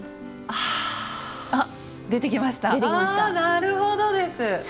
あなるほどです！